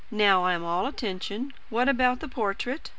Now I am all attention. What about the portrait?"